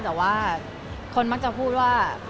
แต่ว่าคนมักจะพูดว่า